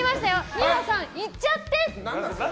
二葉さん、いっちゃって！